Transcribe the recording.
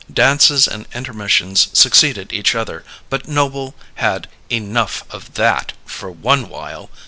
Dances and intermissions succeeded each other but Noble had "enough of that, for one while!"